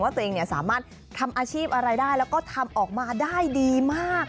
ตัวเองสามารถทำอาชีพอะไรได้แล้วก็ทำออกมาได้ดีมาก